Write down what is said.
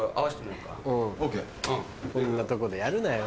こんなとこでやるなよ。